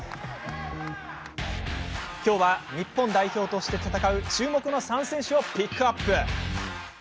きょうは日本代表として戦う注目の３選手をピックアップ。